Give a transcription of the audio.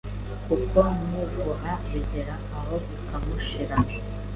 Kuko n’uguha bigera aho bikamushirana